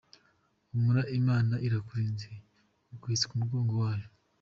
humura Imana irakurinze iguhetse kumugongo wayo.